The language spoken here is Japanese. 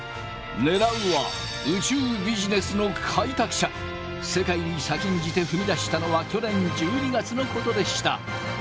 狙うは世界に先んじて踏み出したのは去年１２月のことでした。